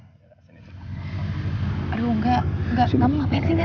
aduh enggak enggak mau ngapain sih enggak